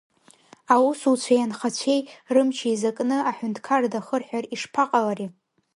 Аусуцәеи анхацәеи, рымч еизакны, аҳәынҭқар дахырҳәар ишԥаҟалари?